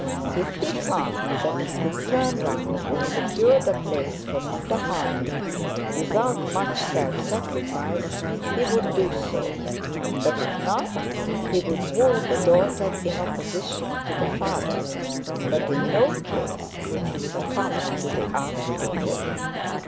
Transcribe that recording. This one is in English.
If he found that he could turn round and secure the place for Mr Harding without much self sacrifice, he would do so; but if not, he would woo the daughter in opposition to the father. But in no case would he succumb to the archdeacon.